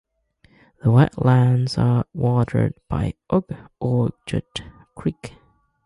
The wetlands are watered by Oak Orchard Creek.